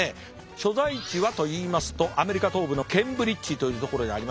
所在地はといいますとアメリカ東部のケンブリッジというところにありまして。